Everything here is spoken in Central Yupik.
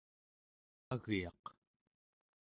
agyaq